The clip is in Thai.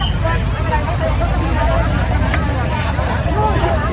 อันนี้ก็มันถูกประโยชน์ก่อน